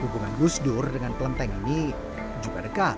hubungan gus dur dengan kelenteng ini juga dekat